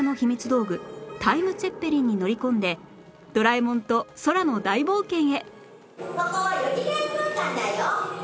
道具タイムツェッペリンに乗り込んでドラえもんと空の大冒険へ